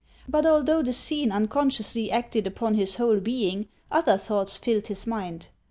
But although the scene unconsciously acted upon his whole being, other thoughts filled his mind.